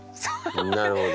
なるほど。